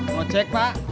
mau cek pak